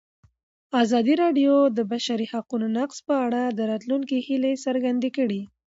ازادي راډیو د د بشري حقونو نقض په اړه د راتلونکي هیلې څرګندې کړې.